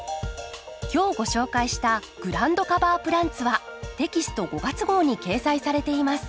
今日ご紹介した「グラウンドカバープランツ」はテキスト５月号に掲載されています。